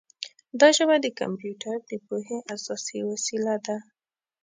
دا ژبه د کمپیوټر د پوهې اساسي وسیله ده.